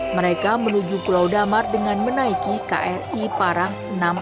mereka menuju pulau damar dengan menaiki kri parang enam ratus empat puluh tujuh